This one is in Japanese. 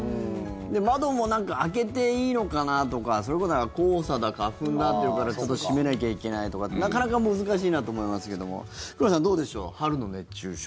窓もなんか開けていいのかなとかそれこそ黄砂だ花粉だっていうから閉めなきゃいけないとかなかなか難しいなと思いますけどくららさん、どうでしょう春の熱中症。